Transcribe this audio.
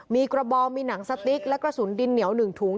มีกระบองมีหนังสติ๊กและกระสุนดินเหนียว๑ถุง